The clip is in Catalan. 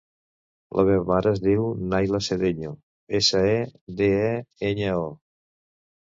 La meva mare es diu Nayla Sedeño: essa, e, de, e, enya, o.